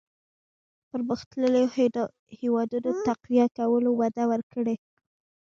پرمختلليو هېوادونو تقويه کولو وده ورکړه.